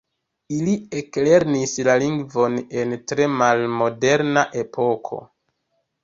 Ili eklernis la lingvon en tre malmoderna epoko.